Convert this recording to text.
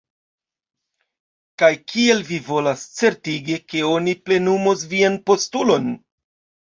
Kaj kiel vi volas certigi, ke oni plenumos vian postulon?